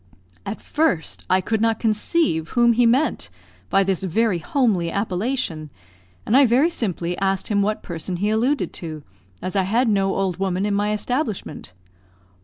At first I could not conceive whom he meant by this very homely appellation; and I very simply asked him what person he alluded to, as I had no old woman in my establishment.